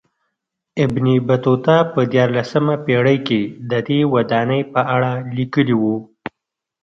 ابن بطوطه په دیارلسمه پېړۍ کې ددې ودانۍ په اړه لیکلي و.